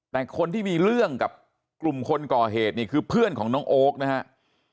แต่คนที่มีเรื่องกับกลุ่มคนก่อเหตุนี่คือเพื่อนของน้องโอ๊คนะครับ